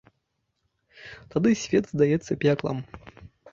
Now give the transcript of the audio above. Тады свет здаецца пеклам.